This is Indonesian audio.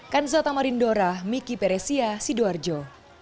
kansata marindora miki peresia sidoarjo